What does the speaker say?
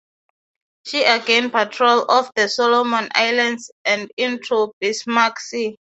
She again patrolled off the Solomon Islands and into the Bismarck Sea.